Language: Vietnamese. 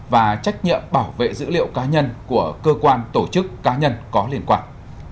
và trách nhiệm bảo vệ dữ liệu cá nhân của cơ quan tổ chức cá nhân có liên quan